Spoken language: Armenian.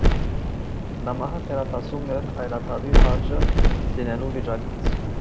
Նա մահը գերադասում էր այլադավի հարճը լինելու վիճակից։